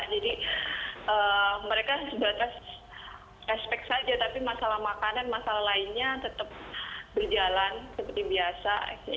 jadi mereka sebatas respek saja tapi masalah makanan masalah lainnya tetap berjalan seperti biasa